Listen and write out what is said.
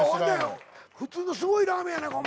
普通のすごいラーメンやないか。